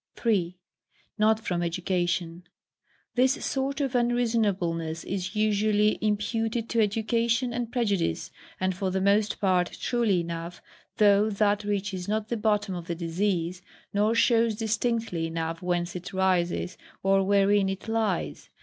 3. Not from Education. This sort of unreasonableness is usually imputed to education and prejudice, and for the most part truly enough, though that reaches not the bottom of the disease, nor shows distinctly enough whence it rises, or wherein it lies.